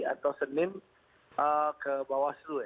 atau senin ke bawaslu ya